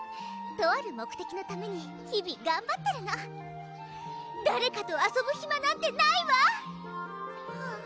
とある目的のために日々頑張ってるの誰かと遊ぶ暇なんてないわ！